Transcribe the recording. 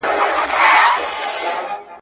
ما شبقدر دی لیدلی منل کیږي مي خواستونه ,